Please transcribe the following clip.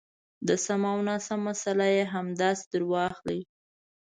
د سم او ناسم مساله یې همداسې درواخلئ.